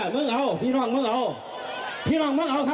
มึงเอาพี่น้องมึงเอา